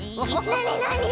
なになに？